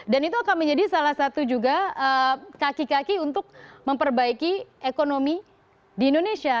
dan itu akan menjadi salah satu juga kaki kaki untuk memperbaiki ekonomi di indonesia